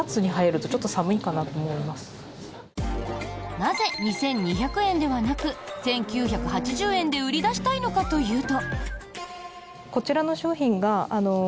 なぜ、２２００円ではなく１９８０円で売り出したいのかというと。